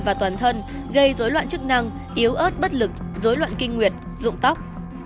và toàn thân gây dối loạn chức năng yếu ớt bất lực dối loạn kinh nguyệt dụng tóc